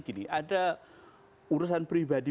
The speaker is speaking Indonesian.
gini ada urusan pribadi